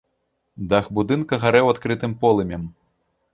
Дах будынка гарэў адкрытым полымем.